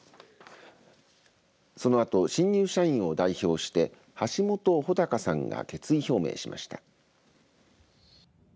そのあと新入社員を代表して橋本穂高さんが決意表明しました。